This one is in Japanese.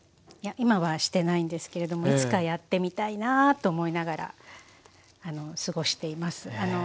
いや今はしてないんですけれどもいつかやってみたいなぁと思いながら過ごしています。